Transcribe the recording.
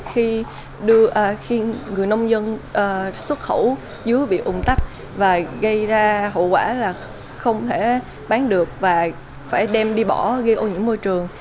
kết quả là không thể bán được và phải đem đi bỏ gây ô nhiễm môi trường